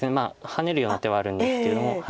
ハネるような手はあるんですけれども。